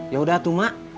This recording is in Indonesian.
yaudah tuh mak